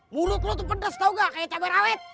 mulut lo tuh pedes tau gak kayak cabai rawit